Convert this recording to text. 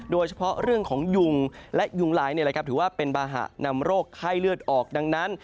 โดยเฉพาะเรื่องของยุงและยุงลายถือว่าเป็นบาหะนำโรคไข้เลือดออกดังนั้น